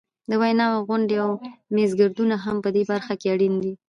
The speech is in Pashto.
د ویناوو غونډې او میزګردونه هم په دې برخه کې اړین دي.